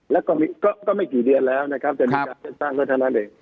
แล้วก็ไม่กี่เดือนแล้วนะครับ